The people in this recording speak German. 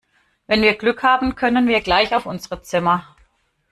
Wenn wir Glück haben, können wir gleich auf unsere Zimmer.